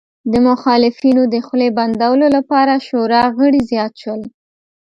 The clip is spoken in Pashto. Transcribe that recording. د مخالفینو د خولې بندولو لپاره شورا غړي زیات شول